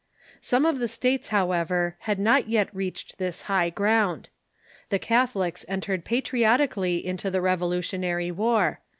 Some of the states, however, had not yet reached this high ground. The Catholics entered patriotically into the Revolutionary War.